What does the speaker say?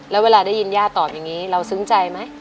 แล้วเวลาได้ยินย่าตอบอย่างนี้เราซึ้งใจไหม